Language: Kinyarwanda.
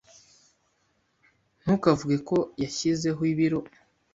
Ntukavuge ko yashyizeho ibiro.